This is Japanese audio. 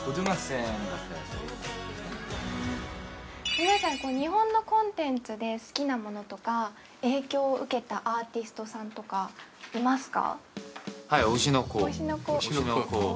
皆さん日本のコンテンツで好きな物とか影響を受けたアーティストさんとかいますか？